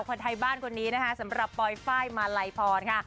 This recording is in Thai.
คนไทยบ้านคนนี้นะคะสำหรับปลอยไฟล์มาลัยพรค่ะ